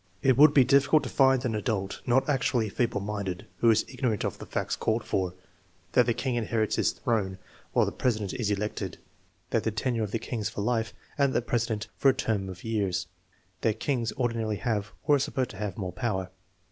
It would be diffi cult to find an adult, not actually feeble minded, who is ignorant of the facts called for: That the king inherits his TEST NO. XIV, 4 315 throne, while the president is elected; that the tenure of the king is for life, and that of the president for a term of years; that kings ordinarily have, or are supposed to have, more power.